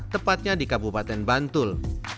tepatnya di kabupaten bantul